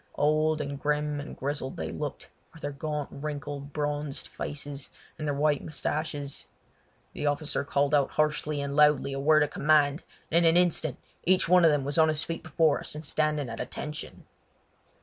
Old and grim and grizzled they looked, with their gaunt, wrinkled, bronzed faces and their white moustaches. The officer called out harshly and loudly a word of command, and in an instant each one of them was on his feet before us and standing at "attention!"